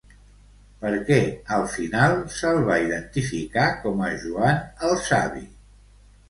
Per què al final se'l va identificar com a Joan el Savi?